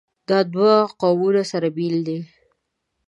دا دوه قومونه سره بېل دي.